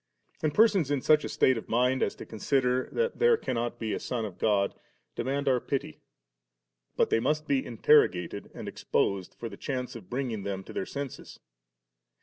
And persons in such a state of mind as to consider that there cannot be a Son of God^ demand our pity; but they must be interro gated and exposed for the chance of bringing them to their senses.